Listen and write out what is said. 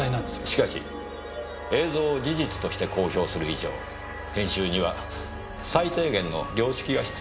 しかし映像を事実として公表する以上編集には最低限の良識が必要だと思いますがねぇ。